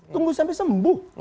tunggu sampai sembuh